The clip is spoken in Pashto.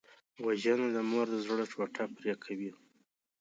وژنه د مور د زړه ټوټه پرې کوي